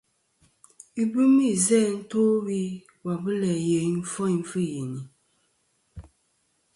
Ibɨmi izæ to wi và bu læ yeyn ɨfoyn fɨ yini.